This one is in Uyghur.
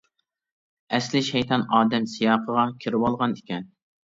ئەسلى شەيتان ئادەم سىياقىغا كىرىۋالغان ئىكەن.